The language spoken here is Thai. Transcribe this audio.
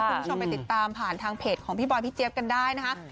คุณผู้ชมไปติดตามผ่านทางเพจของพี่บอยพี่เจี๊ยบกันได้นะคะ